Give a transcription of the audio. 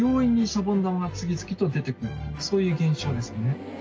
そういう現象ですね。